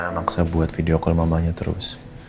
maksa buat video call mamanya terus